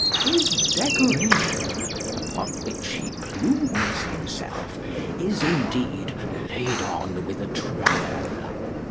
His "decoration" (upon which he plumes himself) is indeed "laid on with a trowel."